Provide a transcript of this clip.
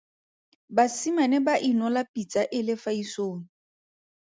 Basimane ba inola pitsa e le fa isong.